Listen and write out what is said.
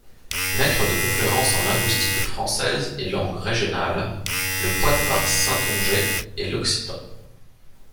Maître de conférences en linguistique française et langues régionales: le poitevin-saintongeais et l'occitan.